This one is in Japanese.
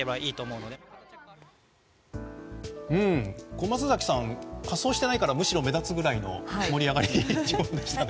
小松崎さん仮装してないからむしろ目立つくらいの盛り上がりでしたね。